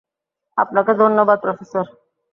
আপনাকে ধন্যবাদ, প্রফেসর!